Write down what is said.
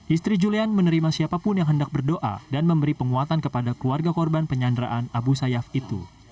istri julian menerima siapapun yang hendak berdoa dan memberi penguatan kepada keluarga korban penyanderaan abu sayyaf itu